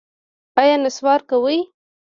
ایا نسوار کوئ؟